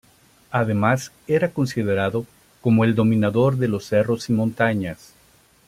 Además era considerado como el dominador de los cerros y montañas.